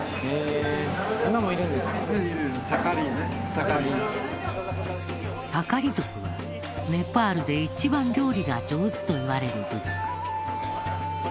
夕食はタカリ族はネパールで一番料理が上手といわれる部族。